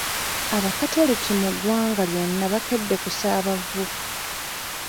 Abakatoliki mu ggwanga lyonna bakedde kusaaba vvu.